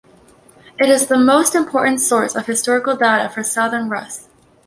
It is the most important source of historical data for southern Rus'.